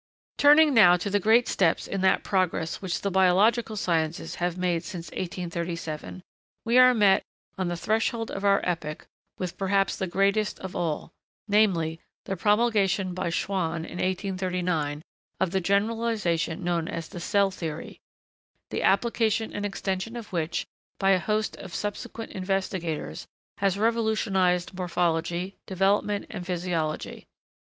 '] Turning now to the great steps in that progress which the biological sciences have made since 1837, we are met, on the threshold of our epoch, with perhaps the greatest of all namely, the promulgation by Schwann, in 1839, of the generalisation known as the 'cell theory,' the application and extension of which by a host of subsequent investigators has revolutionised morphology, development, and physiology.